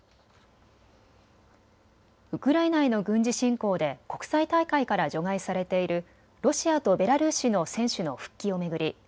ウクライナへの軍事侵攻で国際大会から除外されているロシアとベラルーシの選手の復帰を巡り